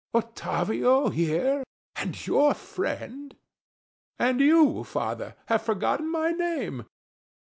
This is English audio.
Ottavio here and YOUR friend! And you, father, have forgotten my name.